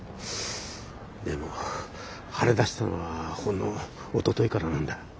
でも腫れだしたのはほんのおとといからなんだ。